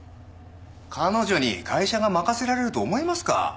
彼女に会社が任せられると思いますか？